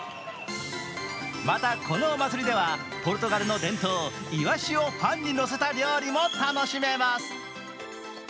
また、このお祭りではポルトガルの伝統、いわしをパンにのせた料理も楽しめます。